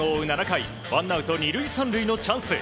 ７回ワンアウト２塁３塁のチャンス。